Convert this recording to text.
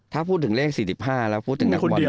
ถ้าพูดถึงเลข๔๕แล้วพูดถึงนักบอล